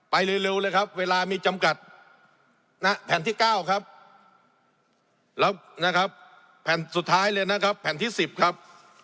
ไปเร็วเลยครับเวลามีจำกัดแผ่นที่๙ครับสุดท้ายแผ่นที่๑๐ครับ